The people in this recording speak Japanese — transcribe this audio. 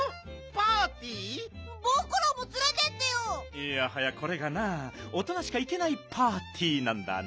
いやはやこれがなおとなしかいけないパーティーなんだな。